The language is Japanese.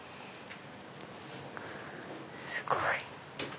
すごい！